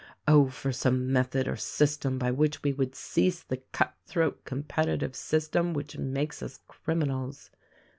Oh for some method or system by which we would cease the cutthroat competitive system which makes us criminals